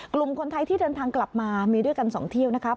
กลุ่มคนไทยที่เดินทางกลับมามีด้วยกัน๒เที่ยวนะครับ